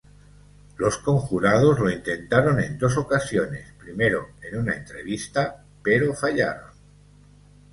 Los conjurados lo intentaron en dos ocasiones: primero en una entrevista, pero fallaron.